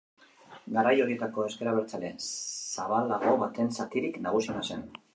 Garai horietako Ezker Abertzale zabalago baten zatirik nagusiena zen.